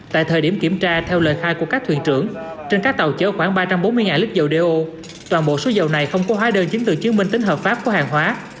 tại thời điểm kiểm tra theo lời khai của các thuyền trưởng trên các tàu chở khoảng ba trăm bốn mươi lít dầu đeo toàn bộ số dầu này không có hóa đơn chứng từ chứng minh tính hợp pháp của hàng hóa